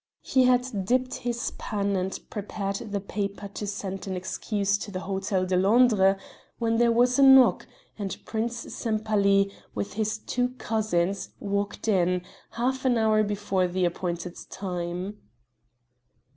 He had dipped his pen and prepared the paper to send an excuse to the Hotel de Londres when there was a knock, and Prince Sempaly, with his two cousins, walked in, half an hour before the appointed time.